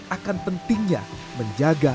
akan pentingnya menjaga